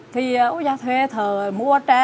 thì ông già thuê thờ mua trẻ